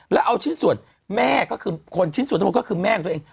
แล้วเอาชิ้นส่วนแม่ก็คือคนชิ้นส่วนทั้งหมดก็คือแม่ของตัวเอง